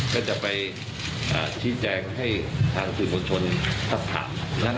ก็จะไปชี้แจงให้ทางสื่อมวลชนสักถาม